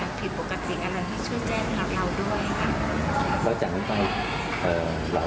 เราจากนั้นไปเหล่าเธอจะดูแลให้ยังไงบ้าง